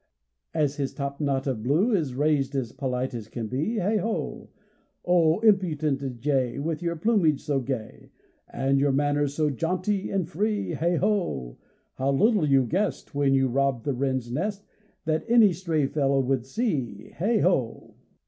As his topknot of blue Is raised as polite as can be Heigh ho! Oh, impudent jay, With your plumage so gay, And your manners so jaunty and free Heigh ho! How little you guessed, When you robbed the wren's nest, That any stray fellow would see Heigh ho!